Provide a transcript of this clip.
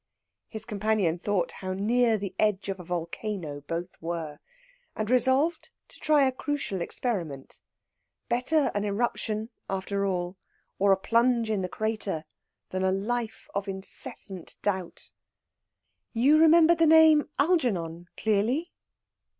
His companion thought how near the edge of a volcano both were, and resolved to try a crucial experiment. Better an eruption, after all, or a plunge in the crater, than a life of incessant doubt. "You remembered the name Algernon clearly?"